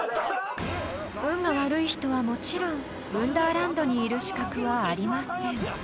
［運が悪い人はもちろん運ダーランドにいる資格はありません］